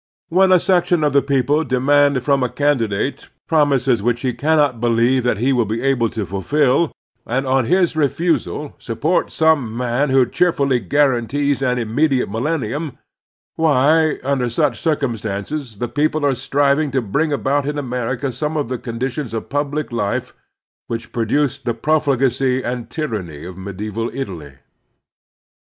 When a section of the people demand from a candidate Promise and Performance 139 promises which he cannot believe that he will be able to fulfil, and, on his refusal, supp rt some man who cheerfully guarantees an immediate millennium, why, imder such circtmistances the people are striving to bring about in America some of the conditions of public life which pro duced the profligacy and tyranny of medieval Italy.